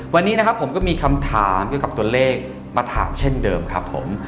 วันนี้นะครับผมก็มีคำถามเกี่ยวกับตัวเลขมาถามเช่นเดิมครับผม